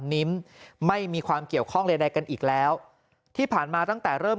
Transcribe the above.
นิ้มไม่มีความเกี่ยวข้องใดกันอีกแล้วที่ผ่านมาตั้งแต่เริ่ม